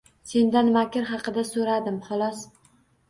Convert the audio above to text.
Sendan makr haqida so‘radim, xolos!